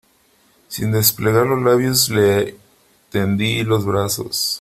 sin desplegar los labios le tendí los brazos .